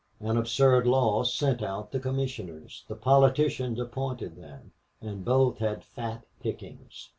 An absurd law sent out the commissioners, the politicians appointed them, and both had fat pickings.